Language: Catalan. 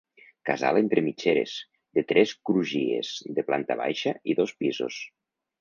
Casal entre mitgeres, de tres crugies, de planta baixa i dos pisos.